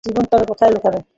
জীবন তবে কোথায় লুকাবে?